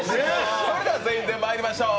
それでは全員でまいりましょう。